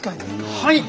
はい！